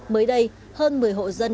mới đây hơn một mươi hộ dân